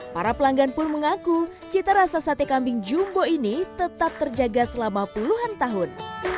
para pelanggan pun mengaku cita rasa sate kambing jumbo ini tetap terjaga selama puluhan tahun